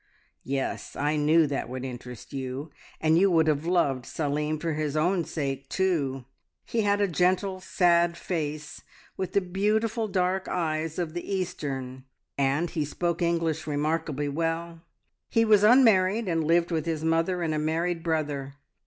Yes! I knew that would interest you, and you would have loved Salim for his own sake too. He had a gentle, sad face, with the beautiful dark eyes of the Eastern, and he spoke English remarkably well. He was unmarried, and lived with his mother and a married brother.